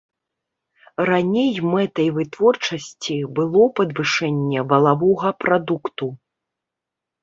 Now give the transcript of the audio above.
Раней мэтай вытворчасці было падвышэнне валавога прадукту.